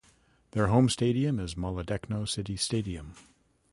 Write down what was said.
Their home stadium is Molodechno City Stadium.